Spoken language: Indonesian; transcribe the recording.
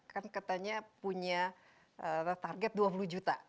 kan katanya punya target dua puluh juta